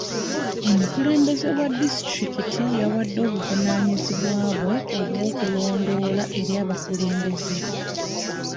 Omukulembeze wa disitulikiti yawadde obuvunaanyizibwa bwe obw'okulondoola eri b'akulembera.